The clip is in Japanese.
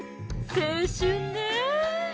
青春ね！